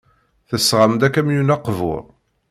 Tesɣam-d akamyun aqbur.